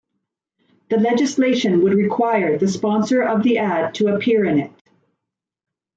The legislation would require the sponsor of the ad to appear in it.